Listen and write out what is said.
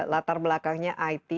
latar belakangnya it